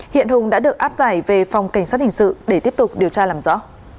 hiện hùng đã được áp giải về phòng cảnh sát hình sự để tiếp tục điều tra làm rõ